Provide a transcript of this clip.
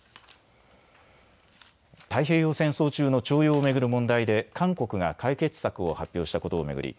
太平洋戦争中の徴用を巡る問題で韓国が解決策を発表したことを巡り